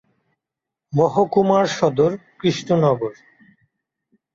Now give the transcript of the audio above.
মহকুমার সদর কৃষ্ণনগর।